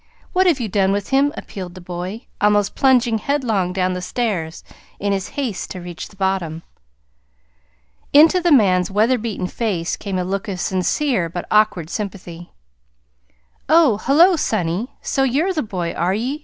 What have you done with him?" appealed the boy, almost plunging headlong down the stairs in his haste to reach the bottom. Into the man's weather beaten face came a look of sincere but awkward sympathy. "Oh, hullo, sonny! So you're the boy, are ye?"